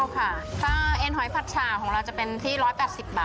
ค่ะถ้าเอ็นหอยผัดฉาของเราจะเป็นที่๑๘๐บาท